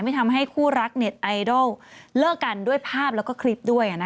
ทำให้คู่รักเน็ตไอดอลเลิกกันด้วยภาพแล้วก็คลิปด้วย